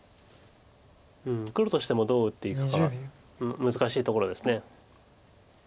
黒としてもどう打っていくかは難しいところです。